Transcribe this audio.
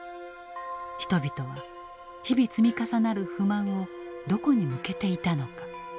人々は日々積み重なる不満をどこに向けていたのか？